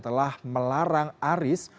telah melarang aris